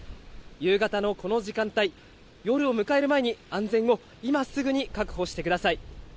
夕方のこの時間帯、夜を迎える前に安全を、今すぐに確保してください。